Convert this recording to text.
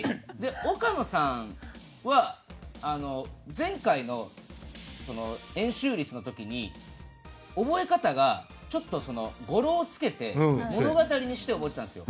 岡野さんは前回の円周率の時に覚え方がちょっと語呂をつけて物語にして覚えてたんですよ。